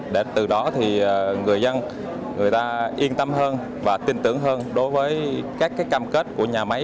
cho người dân người ta yên tâm hơn và tin tưởng hơn đối với các cái cam kết của nhà máy